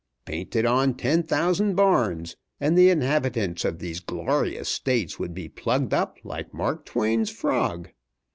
Paint it on ten thousand barns, and the inhabitants of these glorious States would be plugged up like Mark Twain's frog.